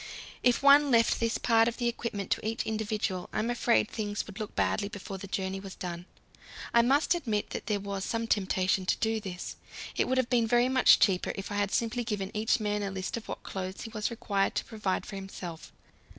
If one left this part of the equipment to each individual, I am afraid things would look badly before the journey was done. I must admit that there was some temptation to do this. It would have been very much cheaper if I had simply given each man a list of what clothes he was required to provide for himself.